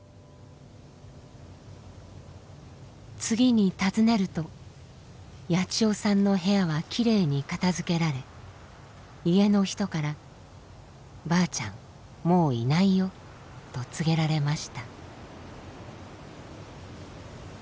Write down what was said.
次に訪ねるとヤチヨさんの部屋はきれいに片づけられ家の人から「ばあちゃんもういないよ」と告げられました。